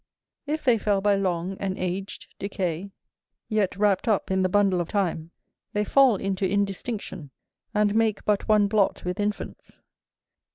If they fell by long and aged decay, yet wrapt up in the bundle of time, they fall into indistinction, and make but one blot with infants.